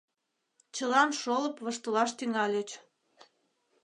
Чылан шолып воштылаш тӱҥальыч.